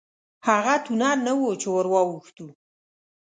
هغه تونل نه و چې ورواوښتو.